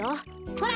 ほら。